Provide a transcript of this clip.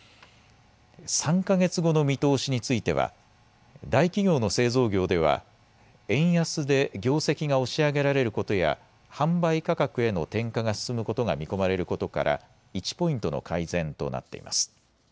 ３か月後の見通しについては大企業の製造業では円安で業績が押し上げられることや販売価格への転嫁が進むことが見込まれることから１ポイントの改善となっています。